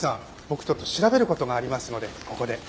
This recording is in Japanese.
僕ちょっと調べる事がありますのでここで。